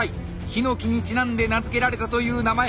ヒノキにちなんで名付けられたという名前